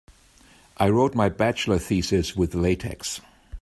I wrote my bachelor thesis with latex.